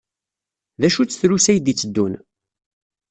D acu-tt trusi ay d-itteddun?